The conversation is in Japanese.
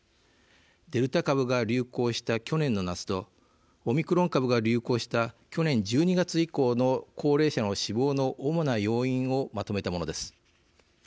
デルタ株が流行した去年の夏とオミクロン株が流行した去年１２月以降の高齢者の死亡の主な要因をまとめたものです。